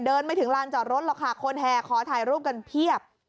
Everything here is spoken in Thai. ไม่ถึงลานจอดรถหรอกค่ะคนแห่ขอถ่ายรูปกันเพียบ